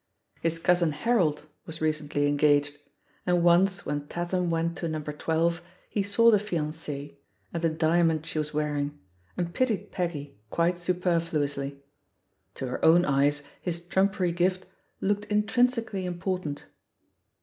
His cousin Harold was recently engaged, and once when Tatham went to No. 12 he saw the fiancee and the diamond she was wearing, and pitied Peggy quite superfiuously. To her own eyes his trumpery gift looked intrin sically important.